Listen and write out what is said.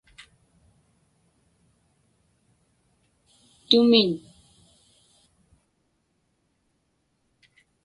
tumin